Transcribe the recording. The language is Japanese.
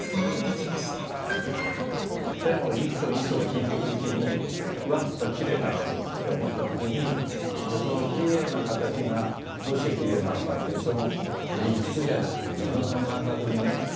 線をいくつもいくつも引いていくうちにわっときれいだなって思った時にじゃあそのきれいな形がどうしてきれいなのかって理屈じゃなくて自分の感覚にね